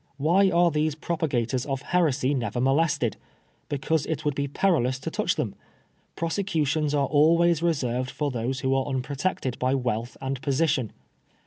Why are these propagators of heresy never molested? Because it would be perilous to touch them. Prosecutions are always reserved for those who are unprotected by wealth and position.